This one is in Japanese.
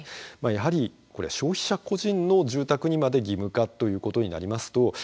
やはり、消費者個人の住宅にまで義務化ということになりますと